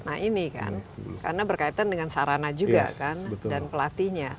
nah ini kan karena berkaitan dengan sarana juga kan dan pelatihnya